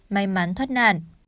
may mắn thoát nạn